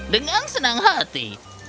dengan senang hati